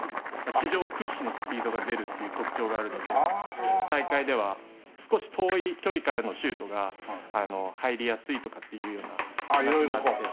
史上屈指のスピードが出るっていう特徴があるので大会では少し遠い距離からのシュートが入りやすいとかっていうような話もあって。